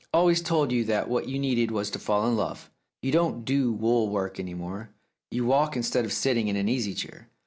I always told you that what you needed was to fall in love. You don't do wool work any more; you walk instead of sitting in an easy chair.